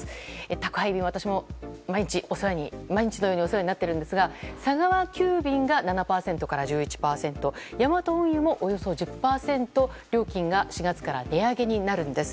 宅配は私も毎日のようにお世話になっているんですが佐川急便が７％から１１％ヤマト運輸もおよそ１０％料金が４月から値上げになるんです。